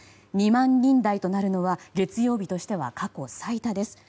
２万人台となるのは月曜日としては過去最多です。